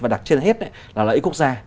và đặc trưng hết là lợi ích quốc gia